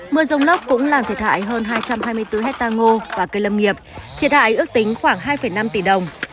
mưa rông lốc cũng làm thiệt hại hơn hai trăm hai mươi bốn hectare ngô và cây lâm nghiệp thiệt hại ước tính khoảng hai năm tỷ đồng